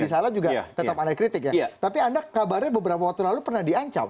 misalnya juga tetap anda kritik ya tapi anda kabarnya beberapa waktu lalu pernah diancam